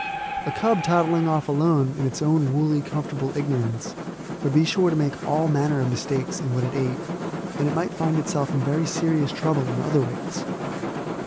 A cub toddling off alone in its own woolly, comfortable ignorance would be sure to make all manner of mistakes in what it ate, and it might find itself in very serious trouble in other ways.